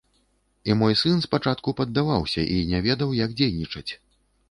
І мой сын спачатку паддаваўся і не ведаў, як дзейнічаць.